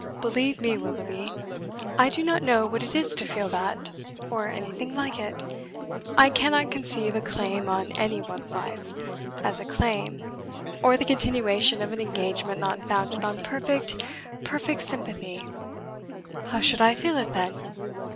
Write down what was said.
Believe me, Willoughby. I do not know what it is to feel that, or anything like it. I cannot conceive a claim on any one's life as a claim: or the continuation of an engagement not founded on perfect, perfect sympathy. How should I feel it, then?